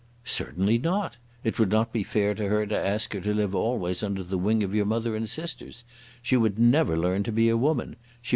"Certainly not. It would not be fair to her to ask her to live always under the wing of your mother and sisters. She would never learn to be a woman.